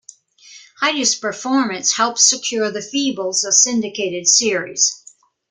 Heidi's performance helps secure the Feebles a syndicated series.